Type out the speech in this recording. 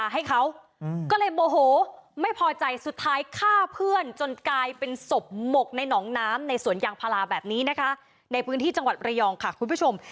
เหมือนยางพลาแบบนี้นะคะในพื้นที่จังหวัดระยองค่ะคุณผู้ชม